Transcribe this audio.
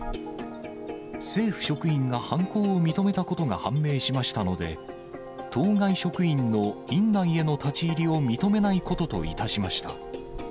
政府職員が犯行を認めたことが判明しましたので、当該職員の院内への立ち入りを認めないことといたしました。